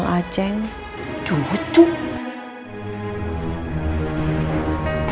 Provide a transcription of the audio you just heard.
gak ada apa apa